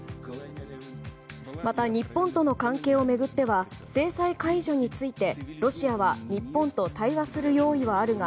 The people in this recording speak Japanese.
また、日本との関係を巡っては制裁解除についてロシアは日本と対話する用意はあるが